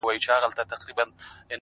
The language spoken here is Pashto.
o چي ورته سر ټيټ كړمه ؛ وژاړمه؛